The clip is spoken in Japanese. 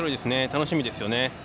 楽しみですよね。